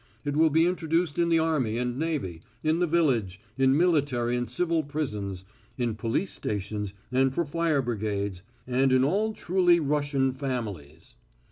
It will be introduced in the army and navy, in the village, in military and civil prisons, in police stations and for fire brigades, and in all truly Russian families.